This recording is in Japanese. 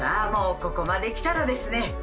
もうここまで来たらですね